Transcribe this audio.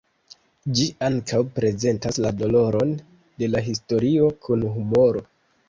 Ĝi ankaŭ prezentas la doloron de la historio kun humoro.